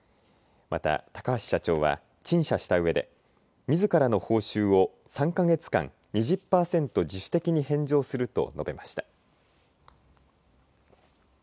また高橋社長は陳謝したうえでみずからの報酬を３か月間、２０％自主的に返上すると述べました。